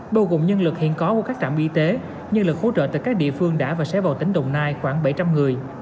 bao gồm nhân lực hiện có của các trạm y tế nhân lực hỗ trợ từ các địa phương đã và sẽ vào tỉnh đồng nai khoảng bảy trăm linh người